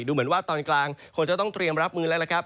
ดูเหมือนว่าตอนกลางคงจะต้องเตรียมรับมือแล้วนะครับ